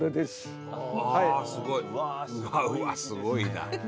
すごいな。